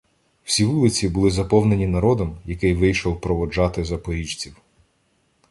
Всі вулиці були заповнені народом, який вийшов проводжати запоріжців.